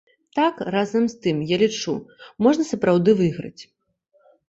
Так, разам з тым я лічу, можна сапраўды выйграць.